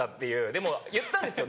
でも言ったんですよ